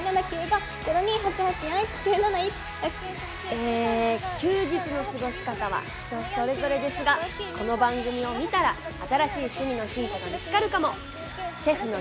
え休日の過ごし方は人それぞれですがこの番組を見たら新しい趣味のヒントが見つかるかも。